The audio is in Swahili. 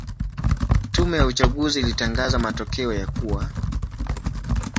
Tume ya uchaguzi ilitangaza matokeo ya kuwa